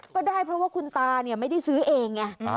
ก็ได้เพราะว่าคุณตาเนี่ยไม่ได้ซื้อเองไง